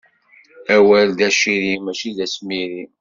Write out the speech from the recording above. Awal d aciri mačči d asmiri.